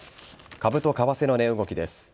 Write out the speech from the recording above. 株と為替の値動きです。